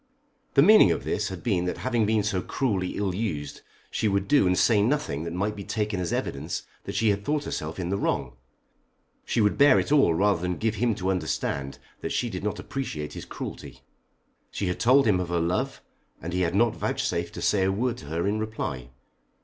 The meaning of this had been that having been so cruelly ill used she would do and say nothing that might be taken as evidence that she had thought herself in the wrong. She would bear it all rather than give him to understand that she did not appreciate his cruelty. She had told him of her love, and he had not vouchsafed to say a word to her in reply.